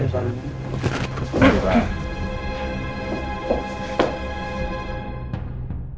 sama rumah sama apa